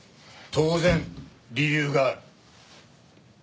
当然理由がある。